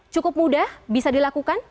cukup mudah bisa dilakukan